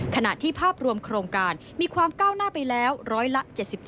ขณะที่ภาพรวมโครงการมีความก้าวหน้าไปแล้วร้อยละ๗๗